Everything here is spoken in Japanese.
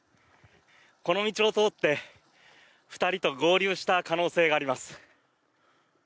この道を通って２人と合流した可能性があります。